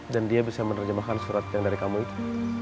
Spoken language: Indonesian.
dan dia bisa menerjemahkan surat yang dari kamu itu